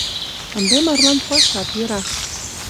Ынде марлан пуашат йӧра.